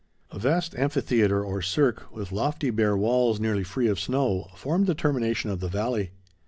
A vast amphitheatre or cirque, with lofty, bare walls nearly free of snow, formed the termination of the valley.